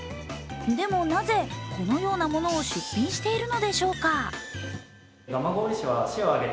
でもなぜこのようなものを出品しているのでしょうか？